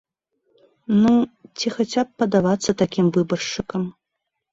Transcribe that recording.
Ну, ці хаця б падавацца такім выбаршчыкам.